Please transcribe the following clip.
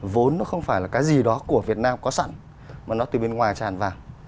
vốn nó không phải là cái gì đó của việt nam có sẵn mà nó từ bên ngoài tràn vào